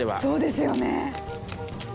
そうですよね。